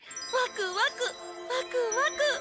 わくわくわくわく！